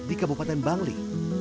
di kabupaten bangli